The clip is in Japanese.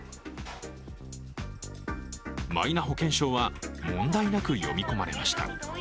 マイナ保険証は問題なく読み込まれました。